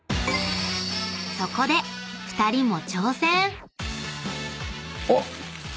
［そこで２人も］あっ！